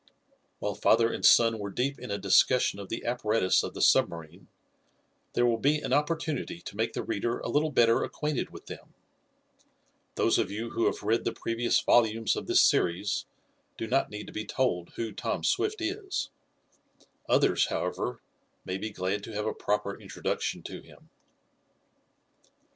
While father and son were deep in a discussion of the apparatus of the submarine, there will be an opportunity to make the reader a little better acquainted with them. Those of you who have read the previous volumes of this series do not need to be told who Tom Swift is. Others, however, may be glad to have a proper introduction to him.